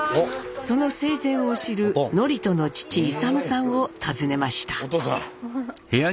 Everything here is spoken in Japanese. その生前を知る智人の父勇さんを訪ねました。